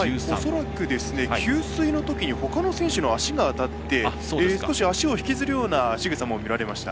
恐らく給水のときに他の選手の足が当たって少し足を引きずるしぐさも見られました。